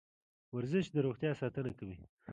ورزش د روغتیا ساتنه کوي.